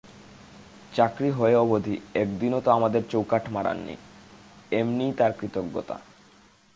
চাকরি হয়ে অবধি একদিনও তো আমাদের চৌকাঠ মাড়ান নি, এমনি তাঁর কৃতজ্ঞতা!